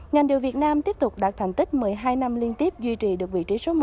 ngành điều việt nam tiếp tục đạt thành tích một mươi hai năm liên tiếp duy trì được vị trí số một